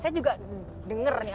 saya juga dengar nih